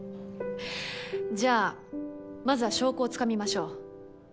じゃあまずは証拠をつかみましょう。